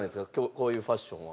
こういうファッションは。